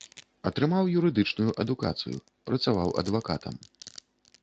Атрымаў юрыдычную адукацыю, працаваў адвакатам.